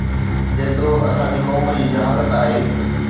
جيترو اسان جي قوم جي جهالت آهي